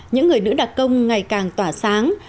những người nữ đặc công ngày càng tỏa sáng